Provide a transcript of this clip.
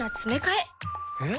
えっ？